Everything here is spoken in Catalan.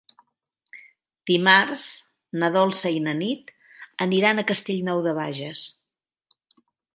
Dimarts na Dolça i na Nit aniran a Castellnou de Bages.